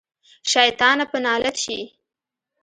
شيطانه په نالت شې.